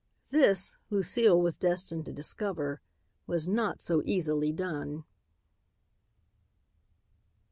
This, Lucile was destined to discover, was not so easily done.